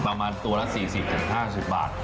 ประมาณตัวละ๔๐๕๐บาท